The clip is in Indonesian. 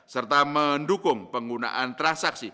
serta mendukung penggunaan transaksi